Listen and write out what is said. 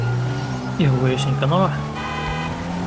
Ihwa-yasen kan ruḥen-d.